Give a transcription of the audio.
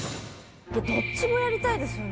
どっちもやりたいですよね